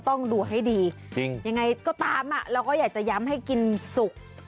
ต้องดูให้ดีจริงยังไงก็ตามเราก็อยากจะย้ำให้กินสุก